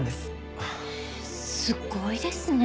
へえすごいですね。